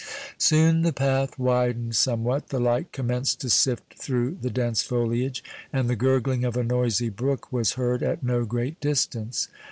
Soon the path widened somewhat, the light commenced to sift through the dense foliage, and the gurgling of a noisy brook was heard at no great distance.